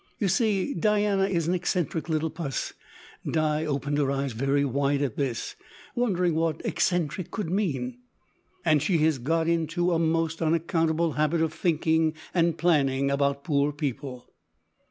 You see, Diana is an eccentric little puss," (Di opened her eyes very wide at this, wondering what "eccentric" could mean), "and she has got into a most unaccountable habit of thinking and planning about poor people."